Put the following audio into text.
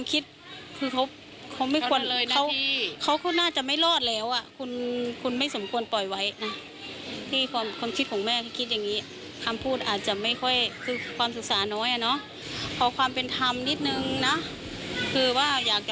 ติดใจเรื่องของน้ำเพชรค่ะ